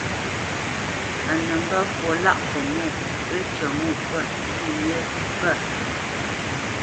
A nə́ mbə́ fwo lâʼ Pənɛ̂ wə́cyə ŋo pə̂ lî yé pə̂.